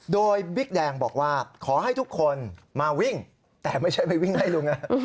โดยบิ๊กแดงบอกว่าขอให้ทุกคนมาวิ่งแต่ไม่ใช่ไปวิ่งไล่ลุงนะ